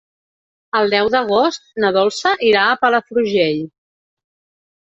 El deu d'agost na Dolça irà a Palafrugell.